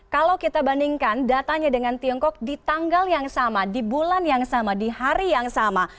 kalau kita bandingkan datanya dengan tiongkok di tanggal yang sama di bulan yang sama di hari yang sama